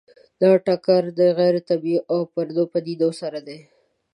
دا ټکر د غیر طبیعي او پردو پدیدو سره دی.